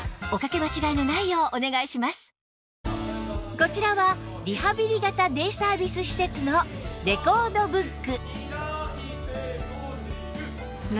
こちらはリハビリ型デイサービス施設のレコードブック